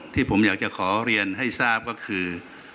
ที่ผมอยากจะขอเรียนให้ทราบก็คือ